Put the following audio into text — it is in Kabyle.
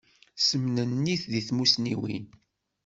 Semnennit di tmusniwin.